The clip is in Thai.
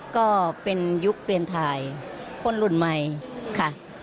ก็เป็นยุคเปลี่ยนถ่ายคนรุ่นใหม่ค่ะ